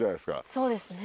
そうですね。